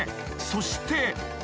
［そして］